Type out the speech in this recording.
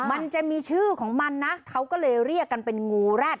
มันจะมีชื่อของมันนะเขาก็เลยเรียกกันเป็นงูแร็ด